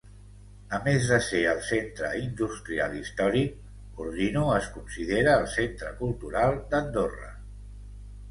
A més de ser el centre industrial històric, Ordino es considera el centre cultural d'Andorra.